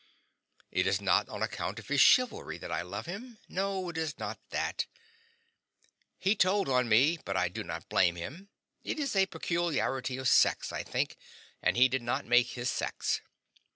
It is not on account of his chivalry that I love him no, it is not that. He told on me, but I do not blame him; it is a peculiarity of sex, I think, and he did not make his sex.